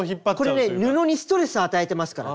これね布にストレスを与えてますから。